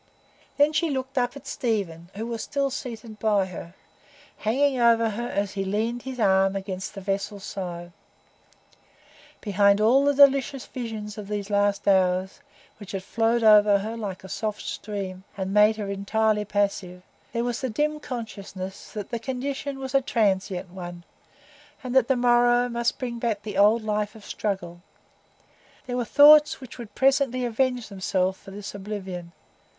Then she looked up at Stephen, who was still seated by her, hanging over her as he leaned his arm against the vessel's side. Behind all the delicious visions of these last hours, which had flowed over her like a soft stream, and made her entirely passive, there was the dim consciousness that the condition was a transient one, and that the morrow must bring back the old life of struggle; that there were thoughts which would presently avenge themselves for this oblivion.